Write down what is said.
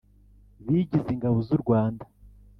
bigize Ingabo z u Rwanda